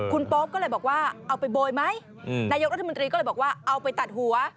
คุณโป๊ปก็เลยบอกว่าเอาไปโบยไหมนายกรัฐมนตรีก็เลยบอกว่าเอาไปตัดหัว